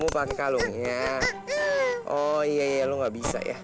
bagaimana dengan kita